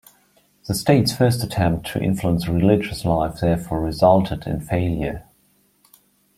The state's first attempt to influence religious life therefore resulted in failure.